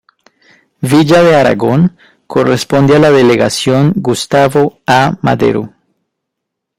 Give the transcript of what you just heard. Villa de Aragon corresponde a la delegación Gustavo A. Madero.